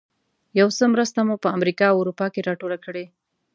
یو څه مرسته مو په امریکا او اروپا کې راټوله کړې.